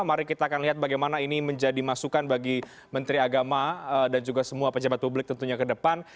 mari kita akan lihat bagaimana ini menjadi masukan bagi menteri agama dan juga semua pejabat publik tentunya ke depan